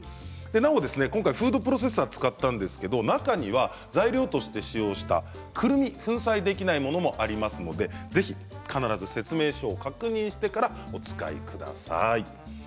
なお今回フードプロセッサーを使ったんですが中には材料として使用したくるみを粉砕できないものもありますので、ぜひ必ず説明書を確認してからお使いください。